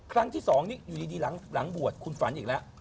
ครั้งที่๒นี้อยู่ดีหลังบวชคุณฝันอีกแล้ว